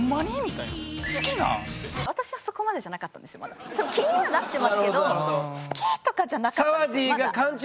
あかんもう気にはなってますけど好き！とかじゃなかったんですよ。